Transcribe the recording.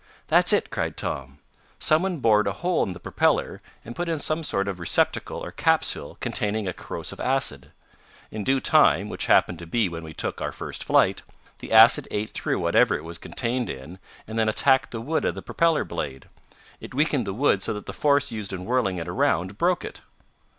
"That's it!" cried Tom. "Someone bored a hole in the propeller, and put in some sort of receptacle, or capsule, containing a corrosive acid. In due time, which happened to be when we took our first flight, the acid ate through whatever it was contained in, and then attacked the wood of the propeller blade. It weakened the wood so that the force used in whirling it around broke it."